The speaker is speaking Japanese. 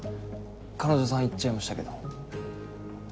彼女さん行っちゃいましたけど。